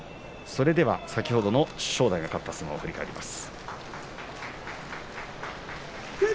それでは正代が勝った相撲を振り返ります。